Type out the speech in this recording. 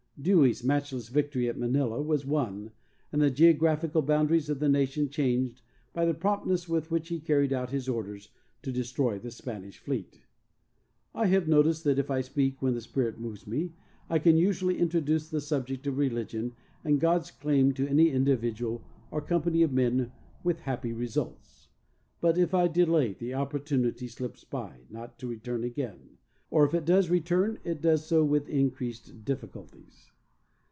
Dewey's matchless victory at Manilla was won, and the geographical boundaries of the nations changed by the promptness with which he carried out his orders to destroy the Spanish fleet. I have noticed that if I speak when the Spirit moves me, I can usually introduce the subject of religion and God's claims to any individual or company of men with happy results, but if I delay, the opportunity slips by, not to return again, or if it does re turn, it does so with increased difficulties.